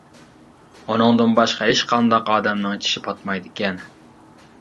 ئۇنىڭدىن باشقا ھېچقانداق ئادەمنىڭ چىشى پاتمايدىكەن.